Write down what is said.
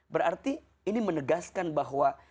berarti ini menegaskan bahwa